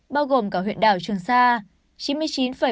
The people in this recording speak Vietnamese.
bao gồm cả huyện đảo trường sa